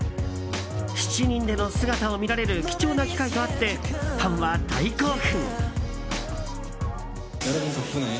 ７人での姿を見られる貴重な機会とあってファンは大興奮。